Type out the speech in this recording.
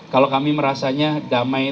kalau kami merasanya damai